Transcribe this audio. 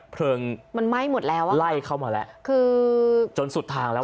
เผลิงไล่เข้ามาแล้วจนสุดทางแล้ว